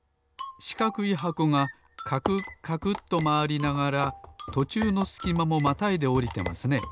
しかくい箱がカクカクとまわりながらとちゅうのすきまもまたいでおりてますね。